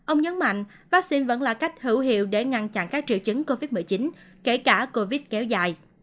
ông nhấn mạnh vaccine vẫn là cách hữu hiệu để ngăn chặn các triệu chứng covid một mươi chín kể cả covid kéo dài